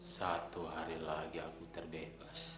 satu hari lagi aku terbebas